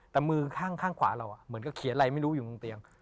แต่มือข้างขวาเราเหมือนกับเขียนอะไรไม่รู้อยู่ตรงเตียง